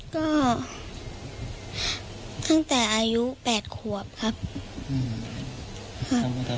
ก็ตั้งแต่อายุ๘ขวบครับ